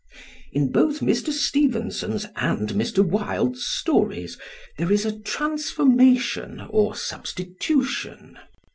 In both Mr. Stevenson's and Mr. Wilde's stories there is a transformation or substitution.